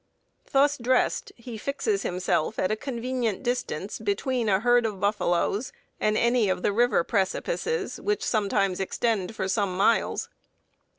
Thus dressed, he fixes himself at a convenient distance between a herd of buffaloes and any of the river precipices, which sometimes extend for some miles.